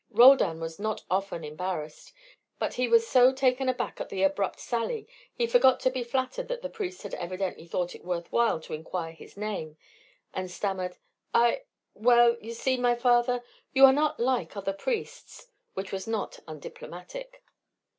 Roldan was not often embarrassed, but he was so taken aback at the abrupt sally he forgot to be flattered that the priest had evidently thought it worth while to inquire his name; and stammered: "I well, you see, my father, you are not like other priests." Which was not undiplomatic.